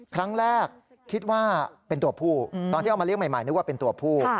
ครั้งแรกคิดว่าเป็นตัวผู้ตอนที่เอามาเลี้ยใหม่นึกว่าเป็นตัวผู้